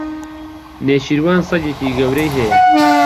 نێچیروان سەگێکی گەورەی هەیە.